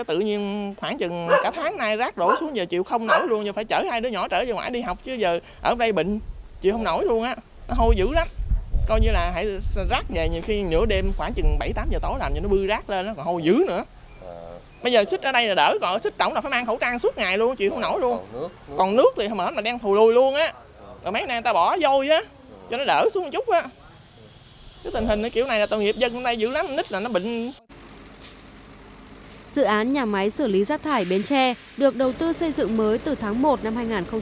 trong khi đó dự án nhà máy xử lý rác thải bến tre được đầu tư xây dựng mới từ tháng một năm hai nghìn một mươi sáu